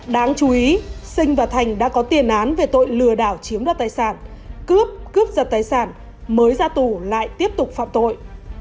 đáng chú ý sinh và thành đã có tiền án về tội lừa đảo chiếm đoạt tài sản cướp cướp giật tài sản mới ra tù lại tiếp tục phạm tội